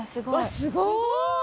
すごーい！